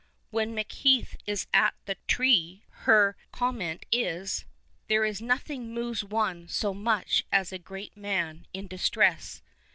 When Machcath is at the " tree," her comment is, " There is nothing moves one so much as a great man in distress."